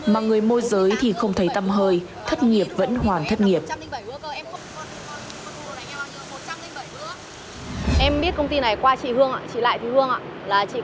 mà người môi giới thì không thấy tâm hơi